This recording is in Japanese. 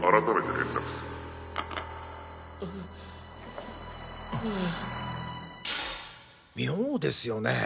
現在妙ですよね？